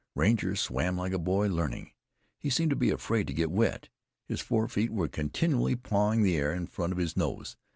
Ranger swam like a boy learning. He seemed to be afraid to get wet. His forefeet were continually pawing the air in front of his nose.